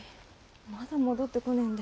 まだ戻ってこねぇんで。